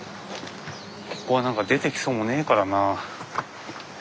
ここは何か出てきそうもねえからな。